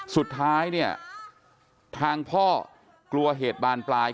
สุดท้ายทางพ่อกลัวเหตุบ้านปลาย